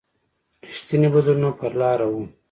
رښتیني بدلونونه پر لاره و.